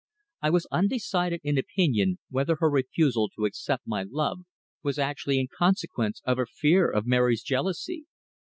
I was undecided in opinion whether her refusal to accept my love was actually in consequence of her fear of Mary's jealousy.